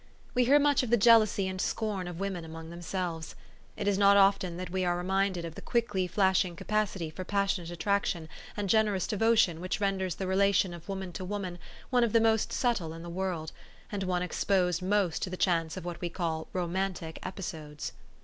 We hear much of the jealousy and scorn of women among themselves. It is not often that we are re minded of the quickly flashing capacity for passion ate attraction and generous devotion which renders the relation of woman to woman one of the most subtle in the world, and one exposed most to the chance of what we call romantic episodes.